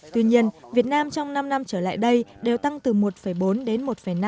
tuy nhiên việt nam trong năm năm trở lại đây đều tăng từ một bốn đến một năm